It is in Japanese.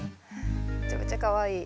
めちゃめちゃかわいい。